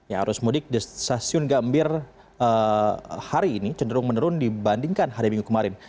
ya arus mudik di stasiun gambir hari ini cenderung menurun dibandingkan hari minggu kemarin